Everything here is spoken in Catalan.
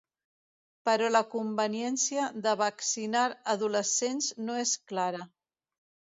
Però la conveniència de vaccinar adolescents no és clara.